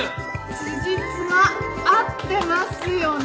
つじつま合ってますよね。